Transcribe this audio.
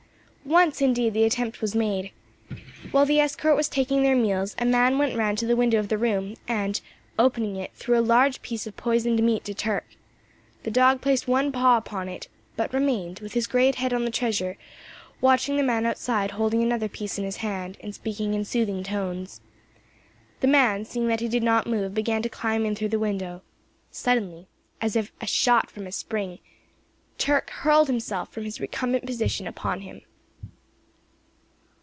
Once, indeed, the attempt was made. While the escort were taking their meals, a man went round to the window of the room, and, opening it, threw a large piece of poisoned meat to Turk. The dog placed one paw upon it, but remained, with his great head on the treasure, watching the man outside holding another piece in his hand, and speaking in soothing tones. The man, seeing that he did not move, began to climb in through the window. Suddenly, as if shot from a spring, Turk hurled himself from his recumbent position upon him.